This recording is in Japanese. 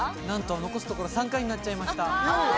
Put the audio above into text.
なんと残すところ、あと３回になっちゃいました。